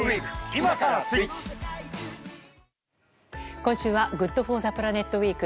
今週は「ＧｏｏｄＦｏｒｔｈｅＰｌａｎｅｔウィーク」。